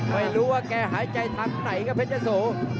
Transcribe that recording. ไม่รู้ว่าแกหายใจทางไหนครับเพชรยะโส